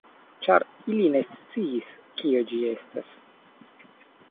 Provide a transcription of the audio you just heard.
Ĉar ili ne sciis, kio ĝi estas.